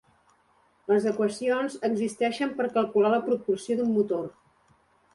Les equacions existeixen per calcular la propulsió d'un motor.